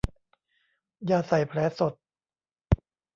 ยาใส่แผลสด